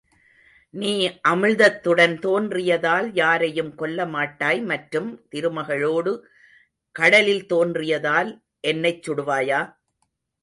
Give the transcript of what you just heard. நீ அமிழ்தத்துடன் தோன்றியதால் யாரையும் கொல்லமாட்டாய், மற்றும், திருமகளோடு கடலில் தோன்றியதால் என்னைச் சுடுவாயா?